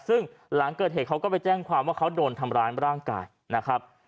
ซึ่งหลังเกิดเหตุเขาก็ไปแจ้งความว่าเขาโดนทำร้ายร่างกายนะครับ